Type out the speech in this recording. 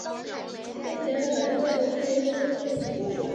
夜间减少蓝光照射与褪黑激素分泌增加有关。